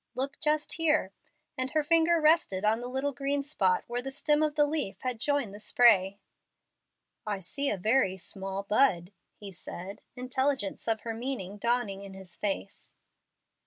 Look just here;" and her finger rested on the little green spot where the stem of the leaf had joined the spray. "I see a very small bud," he said, intelligence of her meaning dawning in his face.